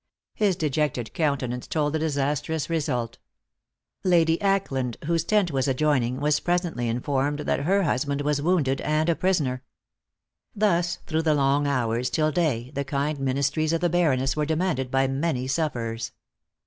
His dejected countenance told the disastrous result. Lady Ackland, whose tent was adjoining, was presently informed that her husband was wounded, and a prisoner! Thus through the long hours till day the kind ministries of the Baroness were demanded by many sufferers.